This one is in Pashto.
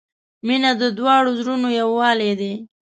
• مینه د دواړو زړونو یووالی دی.